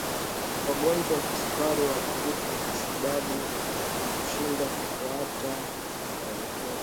wagonjwa wa kisukari wanakufa kwa sababu ya kushindwa kufata maelekezo